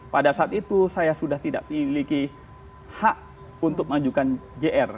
pada saat itu saya sudah tidak memiliki hak untuk mengajukan jr